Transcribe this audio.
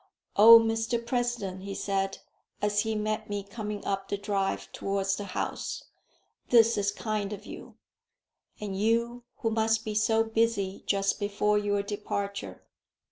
"Oh, Mr President," he said, as he met me coming up the drive towards the house, "this is kind of you. And you who must be so busy just before your departure!"